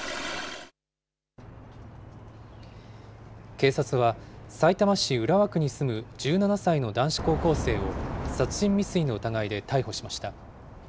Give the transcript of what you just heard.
警察は、さいたま市浦和区に住む１７歳の男子高校生を、殺人未遂の疑いで逮捕しました。